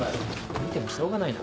見てもしょうがないな。